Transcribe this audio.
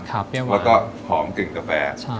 แล้วก็หอมกลิ่นกาแฟ